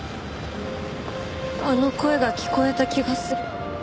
あの声が聞こえた気がする。